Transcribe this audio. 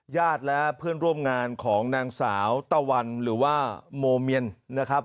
ญาติและเพื่อนร่วมงานของนางสาวตะวันหรือว่าโมเมียนนะครับ